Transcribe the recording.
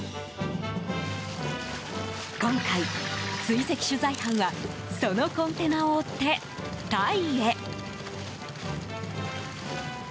今回、追跡取材班はそのコンテナを追ってタイへ。